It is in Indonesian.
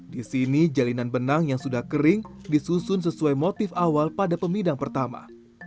di sini jalinan benang yang sudah kering disusun sesuai motif awal pada pemidang pertama